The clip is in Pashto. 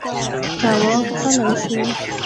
تواب غلی شو.